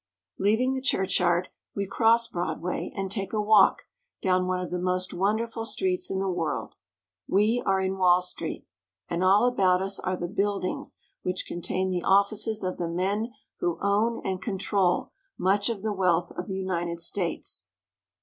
Leaving the churchyard, we cross Broadway and take a walk down one of the most wonderful streets in the world. We are in Wall Street, and all about us are the buildings which contain the offices of the men who own and control much of the wealth of the United States.